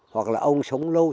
hoặc là ông sống lâu